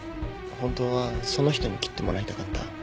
本当はその人に切ってもらいたかった？